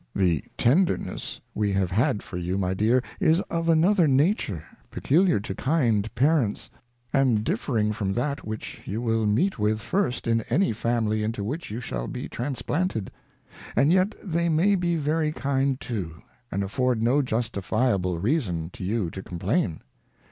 The tenderness we have had for you. My Dear, is of another nature, peculiar to kind Parents, and differing from that which you will meet with first in any Family into which you shall be transplanted; and yet they may be very kind too, and afford no justifiable reason to you to complain.